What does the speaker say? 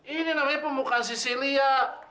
ini namanya pemuka sicilia